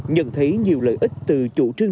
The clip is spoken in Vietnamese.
nhận thấy nhiều lợi ích từ chủ trương